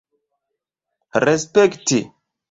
respekti